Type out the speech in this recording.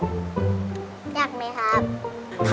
อยากมีครับ